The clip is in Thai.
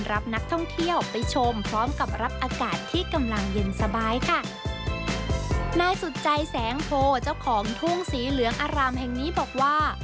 รับนักท่องเที่ยวไปชมพร้อมกับรับอากาศที่กำลังเย็นสบายค่ะนายสุดใจแสงโพเจ้าของทุ่งสีเหลืองอารามแห่งนี้บอกว่า